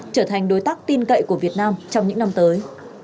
trở thành đối tác tin cậy của việt nam trong những năm tới